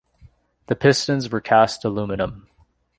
The pistons were cast aluminum.